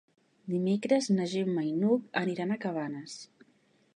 Dimecres na Gemma i n'Hug aniran a Cabanes.